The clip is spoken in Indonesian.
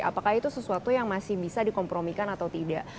apakah itu sesuatu yang masih bisa dikompromikan atau tidak